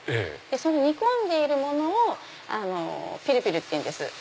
その煮込んでいるものをピルピルっていうんです。